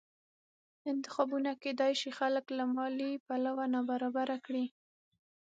انتخابونه کېدای شي خلک له مالي پلوه نابرابره کړي